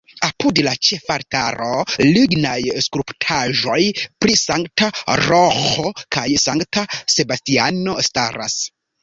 Apud la ĉefaltaro lignaj skulptaĵoj pri Sankta Roĥo kaj Sankta Sebastiano staras.